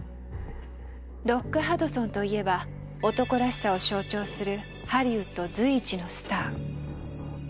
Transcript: ロック・ハドソンといえば男らしさを象徴するハリウッド随一のスター。